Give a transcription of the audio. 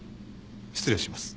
失礼します。